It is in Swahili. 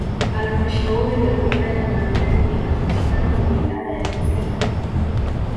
Halmashauri ya Wilaya Bariadi inapakana na Wilaya ya Busega